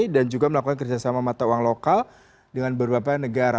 dan juga melakukan kerjasama mata uang lokal dengan berbagai negara